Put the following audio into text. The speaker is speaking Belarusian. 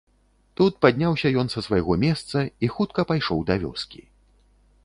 Тут падняўся ён са свайго месца і хутка пайшоў да вёскі.